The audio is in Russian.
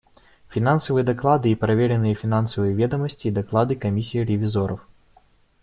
Финансовые доклады и проверенные финансовые ведомости и доклады Комиссии ревизоров.